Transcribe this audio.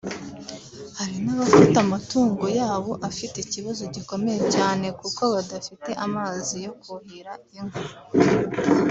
hari n’abafite amatungo yabo afite ikibazo gikomeye cyane kuko badafite amazi yo kuhira inka